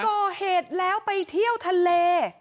ก่อเหตุแล้วไปเที่ยวทะเล